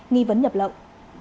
nghi vấn nhập lậu